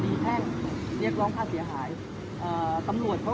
ตอนนี้กำหนังไปคุยของผู้สาวว่ามีคนละตบ